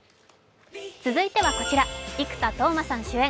続いてはこちら生田斗真さん主演。